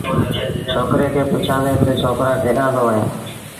ڇوڪري کآݩ پڇيآݩدي تا ڇوڪرآ ڪيڏآݩ دو وهيݩ